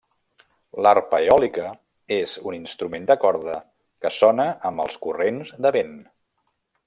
L'arpa eòlica és un instrument de corda que sona amb els corrents de vent.